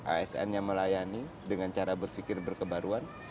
asn yang melayani dengan cara berpikir berkebaruan